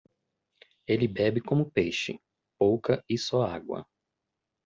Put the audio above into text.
Ele bebe como peixe, pouca e só água.